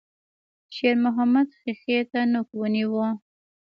شېرمحمد ښيښې ته نوک ونيو.